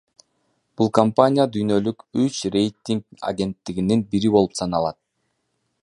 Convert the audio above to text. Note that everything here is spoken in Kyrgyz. Бул компания дүйнөлүк үч рейтинг агенттигинин бири болуп саналат.